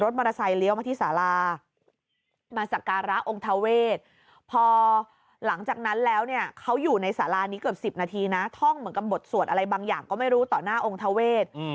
ท่องเหมือนกับบทสวดอะไรบางอย่างก็ไม่รู้ต่อหน้าองค์ทาเวศ